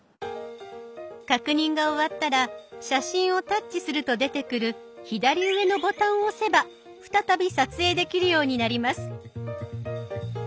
確認が終わったら写真をタッチすると出てくる左上のボタンを押せば再び撮影できるようになります。